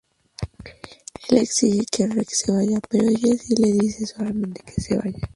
Él exige que Rick se vaya, pero Jessie le dice suavemente que se vaya.